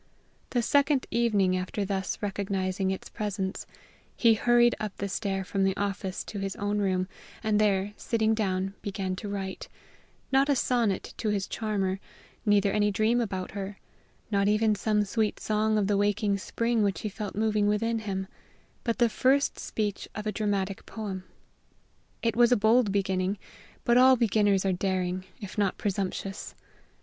The second evening after thus recognizing its presence he hurried up the stair from the office to his own room, and there, sitting down, began to write not a sonnet to his charmer, neither any dream about her, not even some sweet song of the waking spring which he felt moving within him, but the first speech of a dramatic poem. It was a bold beginning, but all beginners are daring, if not presumptuous.